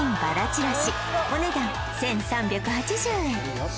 ちらしお値段１３８０円